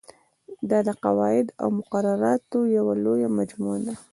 دا د قواعدو او مقرراتو یوه لویه مجموعه ده.